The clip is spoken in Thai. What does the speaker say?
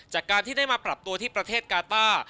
จากการที่ได้มาปรับตัวที่ประเทศกาต้า